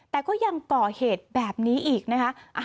แต่ก็ยังก่อเหตุแบบนี้อีกนะคะ